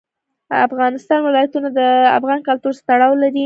د افغانستان ولايتونه د افغان کلتور سره تړاو لري.